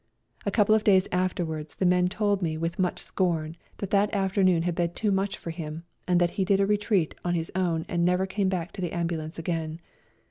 A couple of days afterwards the men told me 70 A RIDE TO KALABAC with much scorn that that afternoon had been too much for him, and that he did a retreat on his own and never came back to the ambulance again.